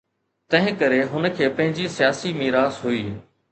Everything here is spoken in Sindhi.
تنهنڪري هن کي پنهنجي سياسي ميراث هئي.